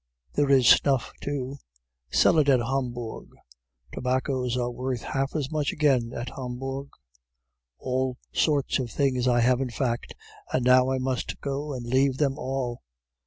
There is snuff too sell it at Hamburg, tobaccos are worth half as much again at Hamburg. All sorts of things I have in fact, and now I must go and leave them all.